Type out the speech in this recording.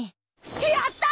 やった！